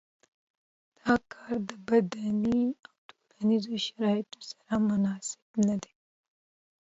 دا کار د بدني او ټولنیزو شرایطو سره مناسب نه دی.